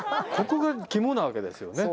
ここが肝なわけですよね。